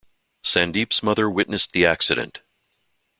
Sandeep's mother witnessed the accident.